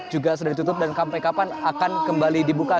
juga sudah ditutup dan sampai kapan akan kembali dibuka